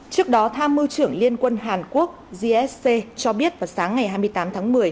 trước đó tham mưu trưởng liên quân hàn quốc gsc cho biết vào sáng ngày hai mươi tám tháng một mươi